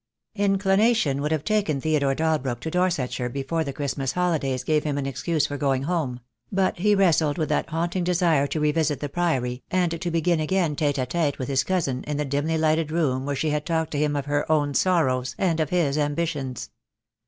Inclination would have taken Theodore Dalbrook to Dorsetshire before the Christmas holidays gave him an excuse for going home; but he wrestled with that haunt ing desire to revisit the Priory, and to be again tcte a tete with his cousin in the dimly lighted room where she had talked to him of her own sorrows and of his ambitions.